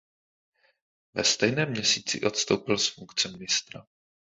Ve stejném měsíci odstoupil z funkce ministra.